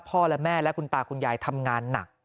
และแม่และคุณตาคุณยายทำงานหนัก